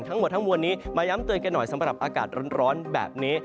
ทั้งหมดทั้งมวลนี้มาย้ำเตือนกันหน่อยสำหรับอากาศร้อนแบบนี้